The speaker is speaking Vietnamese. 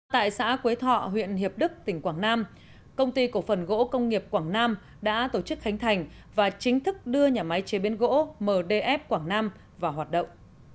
tại xã quế thọ huyện hiệp đức tỉnh quảng nam công ty cổ phần gỗ công nghiệp quảng nam đã tổ chức khánh thành và chính thức đưa nhà máy chế biến gỗ mdf quảng nam vào hoạt động